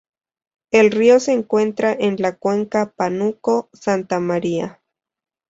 El río se encuentra en la cuenca Panuco-Santa Maria.